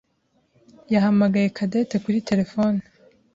yahamagaye Cadette kuri terefone.